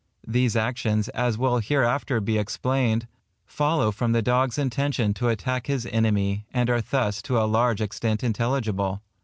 These actions, as will hereafter be explained, follow from the dog's intention to attack his enemy, and are thus to a large extent intelligible.